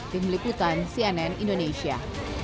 tim meliputan cnn indonesia